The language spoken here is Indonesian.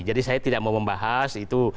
jadi saya tidak mau membahas itu